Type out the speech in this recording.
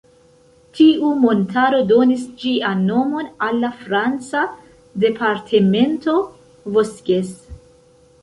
Tiu montaro donis ĝian nomon al la franca departemento Vosges.